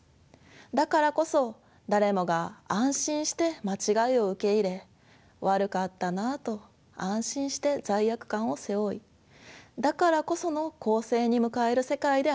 だからこそ誰もが安心して「間違い」を受け入れ「悪かったなあ」と安心して罪悪感を背負いだからこその更生に向かえる世界であってほしい。